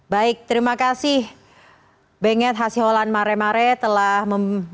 baik terima kasih benged hasyiolan mare mare telah membagikan kisahnya